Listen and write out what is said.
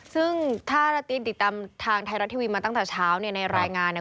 ซึ่งถ้าระติ๊ดติดตามทางไทยรัฐทีวีมาตั้งแต่เช้าเนี่ยในรายงานเนี่ย